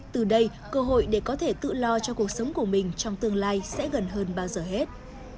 từ đây cơ hội để có thể tự lo cho cuộc sống của mình trong tương lai sẽ gần hơn bao giờ hết